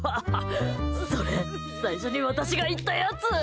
それ最初に私が言ったやつ。